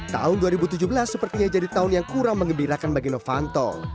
tahun dua ribu tujuh belas sepertinya jadi tahun yang kurang mengembirakan bagi novanto